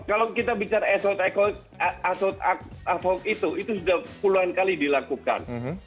kalau kita bicara advokat itu itu sudah puluhan kali dilakukan